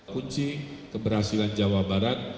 kunci keberhasilan jawa barat